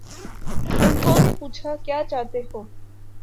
انہوں نے پوچھا: کیا چاہتے ہو؟